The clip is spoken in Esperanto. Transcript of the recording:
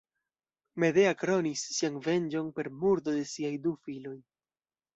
Medea kronis sian venĝon per murdo de siaj du filoj.